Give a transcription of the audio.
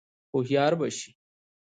هوښیار به شې !